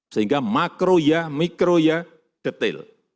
sehingga makro ya mikro ya detail